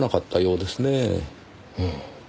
うん。